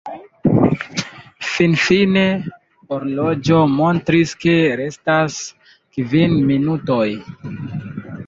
Finfine horloĝo montris ke restas kvin minutoj.